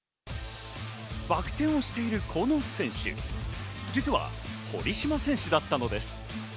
バク転をしているこの選手、実は堀島選手だったのです。